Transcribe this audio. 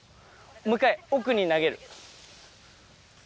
もう一回、奥に投げる。